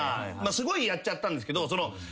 すごいやっちゃったんですけど。